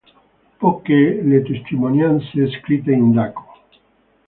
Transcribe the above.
Poche le testimonianze scritte in daco.